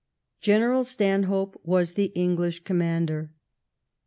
General Stanhope was the English comman der.